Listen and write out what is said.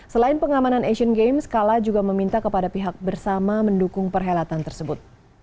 selain pengamanan asian games kala juga meminta kepada pihak bersama mendukung perhelatan tersebut